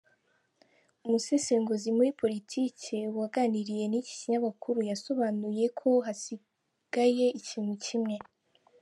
Umusesenguzi muri Politiki waganiriye n’iki kinyamakuru yasobanuye ko hasigaye ikintu kimwe.